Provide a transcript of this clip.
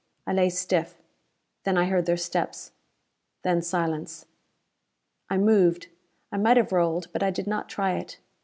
I lay stiff. Then I heard their steps. Then silence. I moved. I might have rolled, but I did not try it.